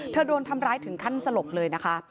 โดนทำร้ายถึงขั้นสลบเลยนะคะ